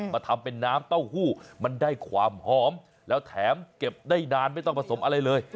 มาทำเป็นน้ำเต้าหู้มันได้ความหอมแล้วแถมเก็บได้นานไม่ต้องผสมอะไรเลย